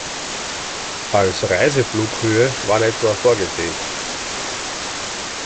Als Reiseflughöhe waren etwa vorgesehen.